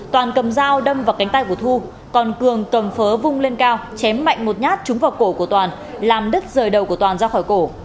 toàn cầm dao đâm vào cánh tay của thu còn cường cầm phớng lên cao chém mạnh một nhát trúng vào cổ của toàn làm đứt rời đầu của toàn ra khỏi cổ